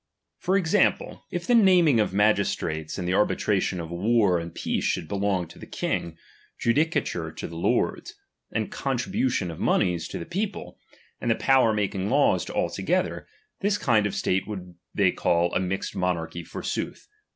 For example, if the naming of magistrates r. and the arbitration of war and peace should belong to the King, judicature to the Lords, and contribu tion of monies to the People, and the power of making laws to all together, this kind of state would they call a mixed monarchy forsooth.